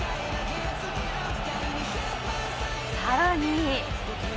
更に。